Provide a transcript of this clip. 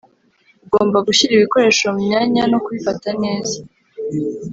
Ugomba gushyira ibikoresho mu myanya no kubifata neza